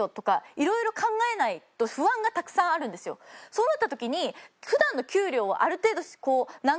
そうなった時に。